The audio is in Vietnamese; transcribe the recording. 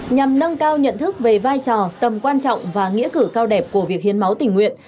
nhằm nâng cao nhận thức về vai trò tầm quan trọng và nghĩa cử cao đẹp của việc hiến máu tình nguyện